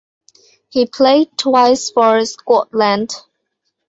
He played twice for Scotland.